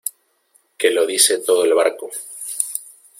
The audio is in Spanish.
que lo dice todo el barco.